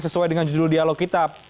sesuai dengan judul dialog kita